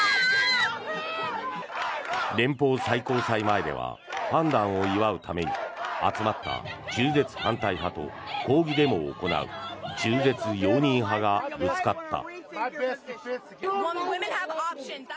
連邦最高裁前では判断を祝うために集まった、中絶反対派と抗議デモを行う中絶容認派がぶつかった。